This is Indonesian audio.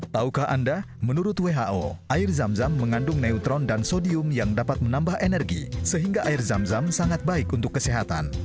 taukah anda menurut who air zam zam mengandung neutron dan sodium yang dapat menambah energi sehingga air zam zam sangat baik untuk kesehatan